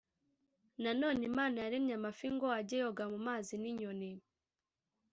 nanone imana yaremye amafi ngo ajye yoga mu mazi, n’inyoni